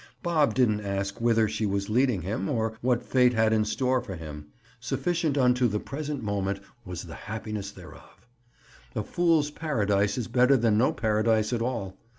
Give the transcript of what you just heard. Bob didn't ask whither she was leading him, or what fate had in store for him. Sufficient unto the present moment was the happiness thereof! A fool's paradise is better than no paradise at all.